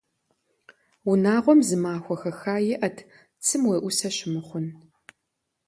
Унагъуэм зы махуэ хэха иӏэт цым уеӏусэ щымыхъун.